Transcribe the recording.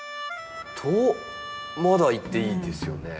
まだいっていいんですよね？